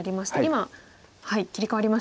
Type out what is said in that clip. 今切り替わりましたね。